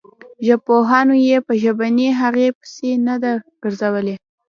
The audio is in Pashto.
ژبپوهانو یې په ژبنۍ هغې پسې نه ده ګرځولې.